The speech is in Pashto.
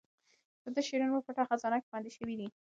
د ده شعرونه په پټه خزانه کې خوندي شوي دي.